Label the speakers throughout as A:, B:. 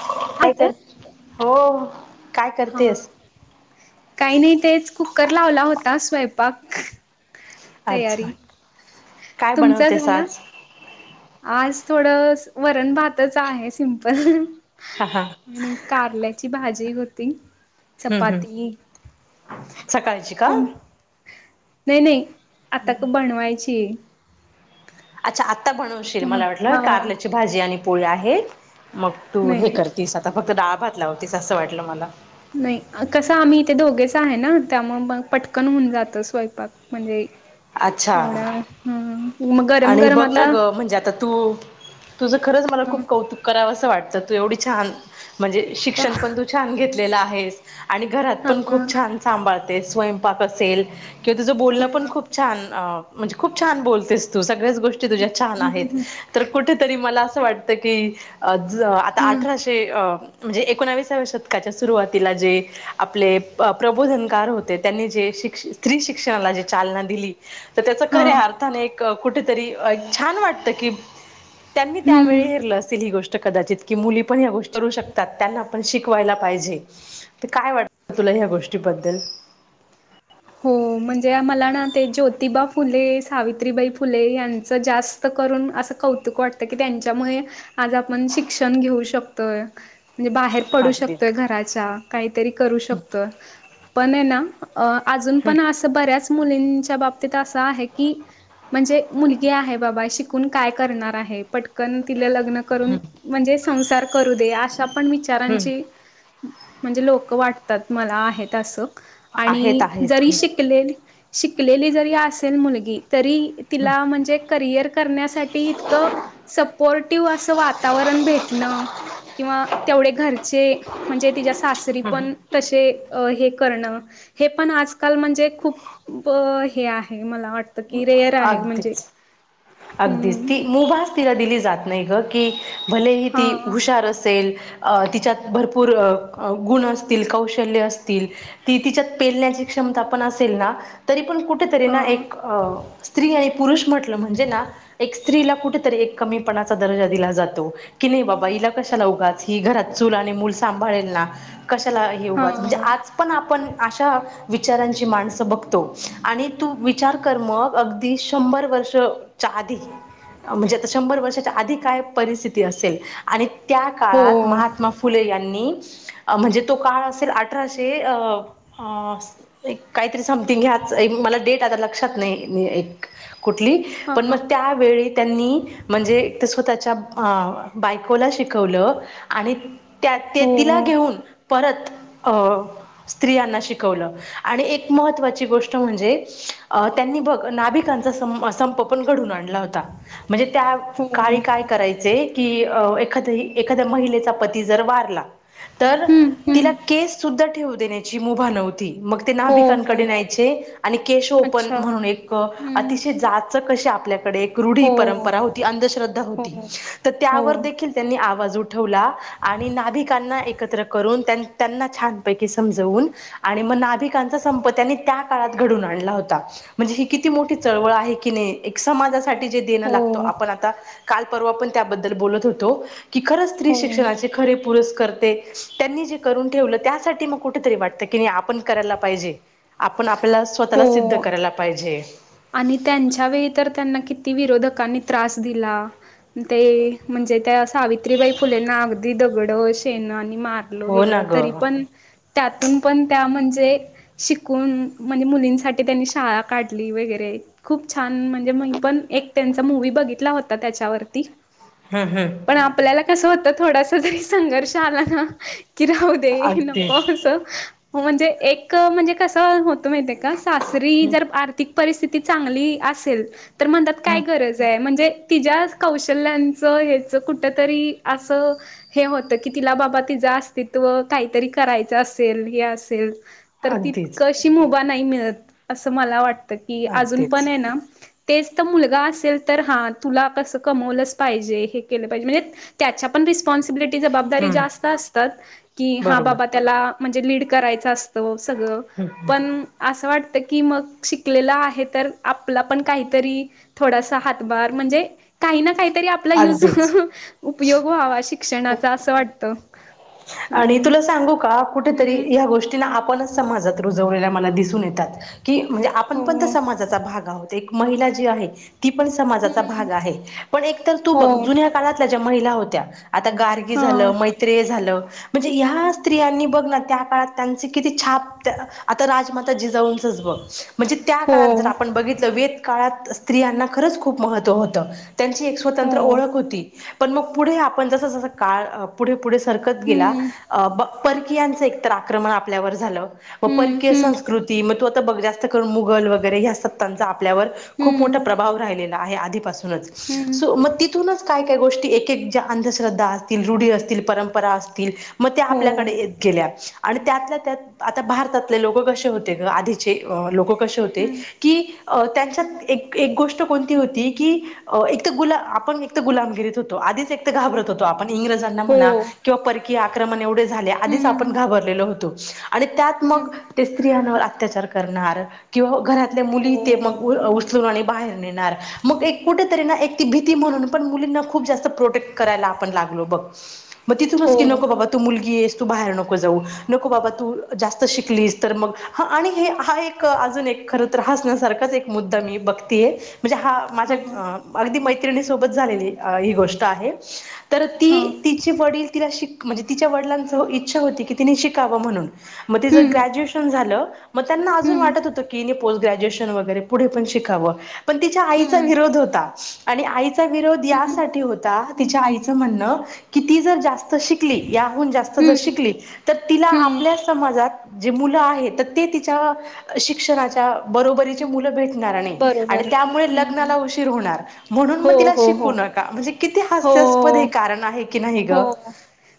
A: काय
B: हात
A: करते हो काय
B: हा
A: करतेस.
B: काही नाही तेच कुकर लावला होता स्वयंपाक
A: अच्छा
B: तयारी
A: काय
B: तुमचा
A: बनवतेस
B: झाला?
A: आज
B: आज थोडं वरण भातच आहे सिम्पल
A: हा हा हम्म
B: आणि कारल्याची भाजी. किती भाजी होती.
A: हम्म
B: चपाती
A: सकाळची का
B: तुम्ही नाही नाही आता का बनवायची ये.
A: अच्छा आत्ता बनवशील मला वाटलं
B: हा
A: कारल्याची भाजी आणि पोळी आहेत. मग तू
B: नाही
A: हे
B: नाही
A: करतीस आता फक्त डाळभात लावतीस असं वाटलं मला.
B: नाही कसं आम्ही इथे दोघेच आहे ना त्यामुळे मग पटकन होऊन जात स्वयंपाक म्हणजे
A: अच्छा
B: होना ह ह. मग गरम
A: आणि
B: गरम
A: बघ ना
B: आता
A: ग म्हणजे आता तू तुझं खरंच मला
B: ह
A: खूप कौतुक करावंस. वाटत तू एवढी छान म्हणजे
B: का
A: शिक्षण पण तू छान घेतलेलं आहेस. आणि घरात
B: हा
A: पण खूप छान सांभाळते स्वयंपाक असेल. किंवा तुझं बोलणं पण खूप छान अ म्हणजे खूप छान बोलतेस तू सग सगळ्याच गोष्टी तुझ्या छान आहेत. तर कुठेतरी मला असं वाटते की आता
B: हम
A: अठराशे अ म्हणजे एकोणाविसाव्या शतकाच्या सुरुवातीला जे आपले प्रबोधनकार होते त्यांनी जे शिक्ष स्त्री शिक्षणाला जे चालना दिली. तर त्याच खऱ्या
B: हां.
A: अर्थाने एक कुठेतरी एक छान वाटत की त्यांनी
B: हं.
A: त्यावेळी हरलं असेल ही गोष्ट कदाचित की मुली पण या गोष्टी करू शकतात. त्यांना पण शिकवायला पाहिजे त काय वाटत तुला गोष्टीबद्दल?
B: हो म्हणजे मला ना ते ज्योतिबा फुले सावित्रीबाई फुले यांचं जास्त करून असं कौतुक वाटतं की त्यांच्यामुळे आज आपण शिक्षण घेऊ शकतोय. म्हणजे बाहेर पडू
A: अगदी
B: शकतोय घराच्या काहीतरी करू शकतोय पण आहे ना अ अजून
A: हम्म
B: पण असं बऱ्याच मुली मुलींचा बाबतीत अस आहे की म्हणजे मुलगी आहेबाबा शिकून काय करणार आहे पट तिला लग्न करून
A: हम्म
B: म्हणजे संसार करू दे अशा पण
A: हम्म
B: विचारांची. म्हणजे लोक वाटतात मला आहेत असं.
A: आहेत
B: आणि
A: आहे.
B: जरी शिकलेल शिकलेली जरी असेल मुलगी तरी तिला म्हणजे करिअर करण्यासाठी इतकं सपोर्टिव्ह अस. वातावरण भेटणं. किंवा तेवढे घरचे म्हणजे तिच्या सासरी पण तसे हे करण हे पण आजकाल म्हणजे खूप हे आहे. मला वाटतं की रेअर आहे म्हणजे
A: अगदीच अगदीच
B: हम्म
A: ती मुभास तिला दिली जाते. नाही ग की भलेही ती
B: हां
A: हुशार असेल. अ तिच्यात भरपूर अ गुण असतील कौशल्य असतील ती तिच्यात पेलण्याची क्ष पंखा पण असेल न तरी ऑन कुठे तरी
B: हां
A: स्त्री आणि पुरुष म्हटलं म्हणजे ना एक स्त्रीला कुठेतरी एक कमीपणाचा दर्जा दिला जातो. की नाही बाबा तिला कशाला उगाच ही घरात चूल आणि मूल सांभाळेल. कशाला हे उगाचं म्हणजे
B: हां
A: आज पण आपण अशा विचारांची माणसं बघतो. आणि तू वी विचारकर्मक अगदी शंभर वर्ष च्या आधी म्हणजे आता शंभर वर्षाच्या आधी काय परिस्थिती असेल, आणि त्या
B: हो
A: काळात महात्मा फुले या नी म्हणजे तो काळ असेल अठराशे एक काहीतरी साम [unintelligible] मला डेट आता लक्षात नाही एक कुठली पण
B: हां
A: मग त्यावेळी त्यांनी म्हणजे स्वतःच्या अ बायकोला शिकवलं. आणि त्या ते
B: हो
A: तिला घेऊन परत अ स्त्रियांना शिकवलं आणि एक महत्त्वाची गोष्ट म्हणजे अ त्यांनी बघ नाभिकांचा संप पण घडून आणला होता. म्हणजे त्या काळी
B: हो
A: काय करायचे? कि अ एखाद्या एखाद्या महिलेचा पती जर वारला. तर
B: हम्म
A: तिला
B: हम्म
A: केस सुद्धा ठेवू देण्याची मुभा नव्हती. मग ते
B: हो हो
A: नाभिकांकडे न्यायचे आणि केश ओपन
B: अच्छा
A: म्हणून एक
B: हम्म
A: अतिशय जात. त कशी आपल्या कडे एक रूढी
B: हो
A: परंपरा होती, अंध्रधा
B: हो
A: होती,
B: हो
A: त त्यावर देखील त्यांनी आवाज उठ उठवला आणि नाभिकांना एकत्र करून त्या त्यांना छान पैकी समजून आणि मग नाभिकांचा संप त्यांनी त्या काळात घडून आणला होता. म्हणजे ही किती मोठी चळवळ आहे की नही एक समाजासाठी जे
B: हो
A: देणं लागतो
B: हो
A: आपण आता काल परवा पण त्याबद्दल बोलत होतो, की खरंच स्त्री शिक्षणाचे खरे पुरस करते त्यांनी जे करून ठेवलं त्यासाठी म कुठेतरी वाटतं कीनई आपण करायला पाईजे आपण आप ल्याला स्वताला सिद्ध
B: हो
A: पायजे.
B: आणि त्यांच्या वेळीतर त्यांना किती विरोधकांनी त्रास दिला. ते म्हंजे त्या सावित्रीबाई फुलेंना अगदी दगडं, शेणं आणि मारलं
A: हो ना
B: गेलं
A: ग
B: तरीपन त्यातून पन त्या मं जे शिकून म्हंजे मुलींसाठी त्यांनी शाळा काढली वेगेरे रे खूप छान म्हंजे मैपन एक त्यांचा मूवी बघितला होता त्याच्यावरती.
A: हम्म
B: पण
A: हम्म
B: आपल्याला कसं होतं थोडासा जरी संघर्ष आलाना. कि राहुदे
A: अगदीच
B: नको अस म्हंजे एकअ म्हंजे कस हो त म्हैतेका सासरी
A: हम्म
B: जर आर्थिक परिस्थिती चांगली असेल तर म्हनतात
A: हम्म
B: काय गरजाय म्हंजे तिज्याज कौशल्यांच हेंच कुटतरी असं हे होतकी तिला बाबा ते तिज अस्तित्व काहीतरी करायचं असेल हे असेल. तर ती
A: अगदीच
B: कशी मुभा नाही मिळत असं मला वाट तकी अजून पण
A: अगदीच
B: एना तेच त मुलगा असेल तर हां तुला कस कमवलंच पाहिजे हे केलं पाहिजे म्हंजे त्याच्या पण रिस पॉन्सिबिलिटी जबाबदारी
A: हम्म
B: जास्त असतात की
A: बरोबर
B: हांबाबा त्याला म्हंजे लीड करायच असतो. सगळ
A: हम्म
B: पन असं वाटतकी मग शिक लेल आहे तर आपला पण काहीतरी थोडासा हातभार म्हंजे काही ना काही तरी आपला युज
A: अगदीच
B: उपयोग व्हावा शिक्षणाचा असं वाटतं.
A: आणि
B: हम्म
A: तुला सांगू का कुठेतरी
B: हम्म
A: ह्या गोष्टीला आप पणच समाजात रुजवलेल्या मला दिसून येतात की म्हंजे
B: हो
A: आपणपण त्या समाजाचा भाग आहोत एक महिला जी आहे तीपन समाजाचा भाग आहे पण एकतर तू
B: हो
A: बघ जुन्या काळातल्या ज्या महिला होत्या आता गार्गी
B: हां
A: झालं मैत्रेय झालं. म्हंजे ह्या स्त्रियांनी बघना त्या काळात त्यांचे किती छाप त आता राजमाता जिजावूंच च्ब. म्हंजे त्या
B: हो
A: काळात जर आपण बघितलं वेद काळात स्त्रियांना खरंच खूप महत्त्व होतं. त्यांची एक
B: हो
A: स्वतंत्र ओळख होती पन मग पुढे आपण जस जस काळ अ पुढे पुढे सरक त गेला
B: हम्म
A: अ प परकीयांचे एकतर आक्रमण आपल्यावर झालं म
B: हम्म
A: परकीय
B: हम्म
A: संस्कृती मतू आता बघ जास्त करून मुघल वगैरे ह्या सत्तांचा आपल्यावर खूप मोठा
B: हम्म,
A: प्रभाव राहिलेला आहे आधीपासून
B: हम्म,
A: सो म तिथूनच काय काय गोष्टी एक एक ज्या अंधश्रद्धा असतील, रूढी असतील, परंपरा असतील मत्या
B: हो,
A: आपल्याकडे येत गेल्या. आणि त्यातल्या त्यात आता भारतातले लोकं कशे होते गं आधीचे अ लोक कशे होते
B: हं,
A: की, अ त्याच्यात एक एक गोष्ट कोनती होती की अ एकतर गुला आपण एक तर गुलामगिरीत होतो आधीच एकतर घाबरत होतो आप पण इंग्रजांना
B: हो,
A: म्हणा किंवा परकीय आक्रमण एवढे झाले आधीच आपण
B: हं,
A: घाबरलेलो होतो. आणि त्यात मग
B: हं,
A: ते स्त्रियांवर अत्याचार करणार किंवा घरात तल्या
B: हो,
A: मुली ते मग उ उचलून आणि बाहेर नेणार, मग एक कुठेतरीना एक ती भीती म्हणून पण मुलींना खूप जास्त प्रोटेक्ट करायला आपण लाग लो बग म तिथूनच
B: हो,
A: की नकोबाबा तू मुलगी येस तू बाहेर नको जाऊ, नको बाबा तू जास्त शिकलीस, तर मग हां आणि हे हा एक अ अजून एक खरंतर हासन्यासारखाच एक मुद्दा मी बघतीये. म्हंजे, हा माझ्याएक
B: हां,
A: अं अगदी मैत्रिणीसोबत झालेली अ ही गोष्ट आहे, तर ती
B: हां,
A: तिचे वडील तिला शिक म्हंजे तिच्या वडिलांचं इच्छा होती की तिने शिकावं म्हणून. म तिज
B: हं,
A: ग्रॅज्युएशन झालं म त्यांना अजून
B: हं,
A: वाटत होतकी हिने फुल ग्रॅज्युएशन वैगेरे पुढे पण शिकावं ति आईचा
B: हं,
A: विरोध होता आणि आई तीचा विरोध
B: हं,
A: यासाठी होता तिच्या आईचं म्हणणं तू जर जास्त शिकली शिकली याहून जास्त जर
B: हं,
A: शिकली तर तिला
B: हं,
A: आपल्या समाजात, जे मुलं आहेत, ते तिच्या शिक्षणाच्या बरोबरीचे मुलं भेट घराणे
B: बरोबर,
A: त्यामुळे
B: हं,
A: लग्नाला उशीर होणार म्हणून,
B: हो,
A: मग तिला
B: हो, हो,
A: शिकवू नका म्हणजे. किती हास्यास्पद हे
B: हो.
A: कारण आहे की नाही
B: हो
A: ग?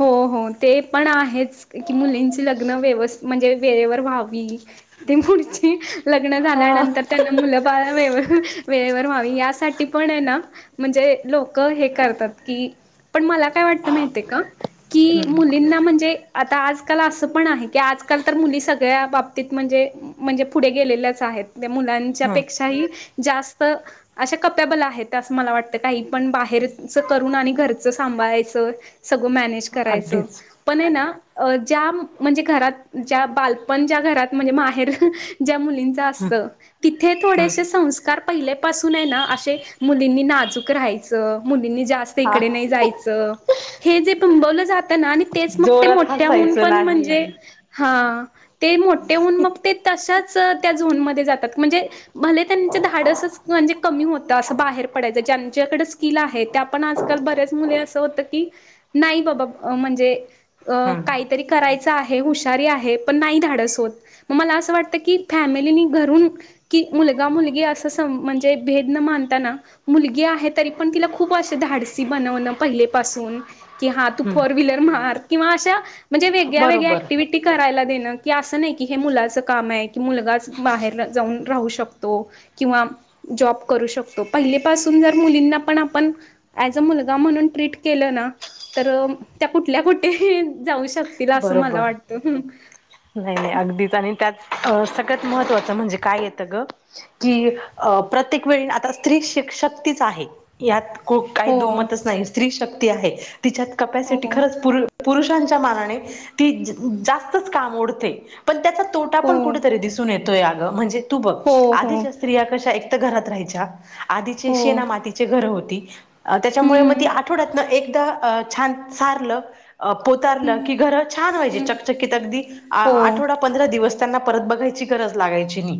B: हो हो ते पण आहेच की मुलींची लग्न व्यवस्थीत म्हणजे वेळेवर व्हावी. ती पुडची [unintelligible] लग्न
A: हा
B: झाल्यानंतर त्यांना मुलं बाळावे [unintelligible] वेळेवर व्हावी यासाठी पण आहे ना! म्हणजे लोक हे करतात की पण मला, काय वाटतं माहितय का! की
A: हम्म
B: मुलींना म्हणजे आता आजकाल असं पण आहे, की आजकाल तर मुली सगळ्या बाबतीत म्हणजे म्हणजे पुढे गेलेल्याच आहेत. मुलांच्या
A: हम्म
B: पेक्षाही जास्त, अशा कप्याबल आहेत असं मला वाटतं काही पण बाहेरचं करून आणि घरचं सांभाळायचं सगळं मॅनेज करायचं
A: अगदीच
B: पण आहे ना! ज्या म्हणजे घरात ज्या बालपणच्या्या घरात म्हणजे माहेर [unintelligible] [unintelligible] ज्या मु मुलींचं
A: हम्म
B: असत तिथे थोडे
A: हम्म
B: संस्कार पहिल्यापासून आहे ना, व असे संस्कार अस मुलींनी सुखी राहायचं मुलींनी जास्त
A: हा
B: इकडे नाही जायचं. ते जे तुबवल जात आणि तेच मग ते
A: जोरात
B: मोठ्याहुन
A: हसायचं
B: पण म्हणजे
A: नाही
B: हा ते मोठेहुन मग ते तशाच कस त्या झोन मध्ये जातात. म्हणजे, भले त्यांच धाडसच म्हणजे कमी होतं असं बाहेर पडायचं ज्यांच्याकडे स्किल आहे ते आपण आजकाल. बरयाच मुली अस होत की, नाही बाबा अ म्हणजेअ
A: हम्म
B: काहीतरी करायच. अस आहे हुशार आहे पण नाही धाडस होतं मला असं वाटतं की फॅमिली नि घरून की मुलगा मुलगी अस सम म्हणजे भेद न मानता ना मुलगी आहे तरी पण तिला खूप अस धाड रेसीपी बनवन पहिले पासुन. कि हा तू
A: हम्म
B: फोर व्हीलर मार किंवा अशा म्हणजे वेग्या वेगळ्या
A: बरोबर
B: ऍक्टिव्हटी करायला दे. की असं नाही की हे मुलाच काम आहे, की मुलगाच बाहेर जाऊन राहू शकतो किंवा जॉब करू शकतो, पहिलीपासून जर मुलींना पण आपण पण ऐज मुलगा म्हणून ट्रीट केलं ना तर त्या कुठल्या कुठे ही जाऊ श
A: बरोबर! नाही नाही अगदीच आणि त्याच अ सगळ्यात महत्त्वाचं म्हणजे काय येतं ग की प्रत्येक वेळी आता स्त्री शिक शक्तीच आहे यात खुप काही
B: हो
A: दोमतच नाही स्त्री शक्ती आहे तिच्यात
B: हो
A: कपॅसिटी खरंच पुरु पुरुषांच्या मानाने. ती जास्तच काम ओडते पण त्याचा तोटा
B: हो
A: पण कुठेतरी दिसून येत बतोय आग म्हणजे तू बघ
B: हो हो
A: आधीच्या स्त्रिया कशा एक तर घरात राहायच्या आधीचे
B: हो
A: शेना मातीचे घर होती अ त्याच्यामुळे मग ती
B: हम्म
A: आठवड्यातन एकदा छान सार पोतारल की
B: हम्म
A: घर छान व्हायची
B: हम्म
A: चकचकीत अगदी आ
B: हो
A: आठवडा पंधरा दिवस त्यांना परत बघायची गरज लागायची ती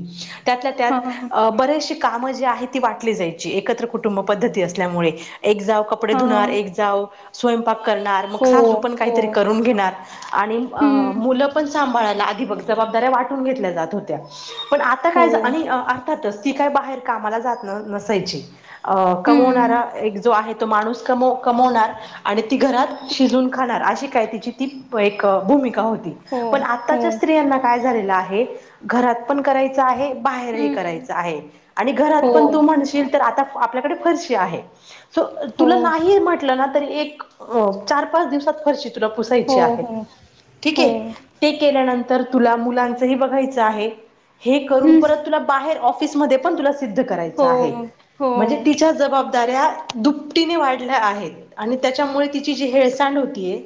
A: त्यातल्या
B: हा
A: त्यात अ बरेचशे काम जे आहे ती वाटली जायची एकत्र कुटुंब पद्धती असल्यामुळे एक जाऊ कपडे
B: हा
A: धुणार एक जाऊ स्वयंपाक करणार मग
B: हो
A: सासू पण
B: हो
A: काहीतरी करून घ े घेणार आणि अ
B: हम्म
A: मुलं पण संभाळायला आधी बघ जबाबदाऱ्या वाटून घेतल्या जात होत्या पण आता
B: हो
A: काय आणि अर्थातच ती काय बाहेर कामाला जात न नसायची अ कमवणारा
B: हम्म
A: एक जो आहे तो माणूस कमवणार आणि ती घरात
B: हम्म
A: शिजून खणार अशी काय तिची ती प एक अ भुमिका होती
B: हो
A: पण
B: हो
A: आताच्या स्त्रियांना काय झालय ते तर आहे घरात पण करायचा आहे बाहेरही
B: हम्म
A: करायच आहे आणि घरात
B: हो
A: पण तू म्हणशील तर आता आपल्याकडे फरशी आहे तो
B: हो
A: तुला नाही म्हटलं ना तरी एक अ चार पाच दिवसात फरशी तुला
B: हो
A: पुसायची आहे
B: हो
A: ठीक
B: हो
A: आहे ते केल्यानंतर तर तुला मुलांचही बघायचं आहे हे करून
B: हम्म
A: परत तुला बाहेर ऑफिसमध्ये पण तुला सिद्ध करायचा
B: हो
A: आहे म्हणजे
B: हो
A: तिच्या जबाबदाऱ्या दुप्टीने वाढल्या आहेत आणि त्याच्यामुळे तिची जी हेळसांड होतीय